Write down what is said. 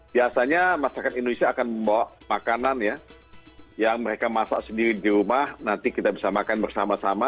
biasanya masyarakat indonesia akan membawa makanan ya yang mereka masak sendiri di rumah nanti kita bisa makan bersama sama